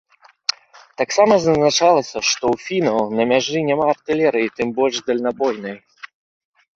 Таксама зазначалася, што ў фінаў на мяжы няма артылерыі, тым больш дальнабойнай.